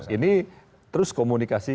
ini terus komunikasi